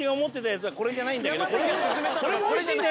これも美味しいね。